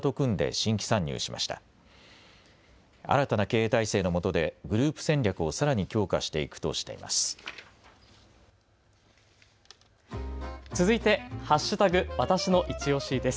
新たな経営体制のもとでグループ戦略をさらに強化していくとしています。